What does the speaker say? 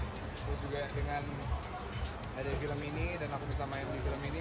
terus juga dengan ada film ini dan aku bisa main di film ini